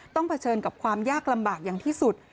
เผชิญกับความยากลำบากอย่างที่สุด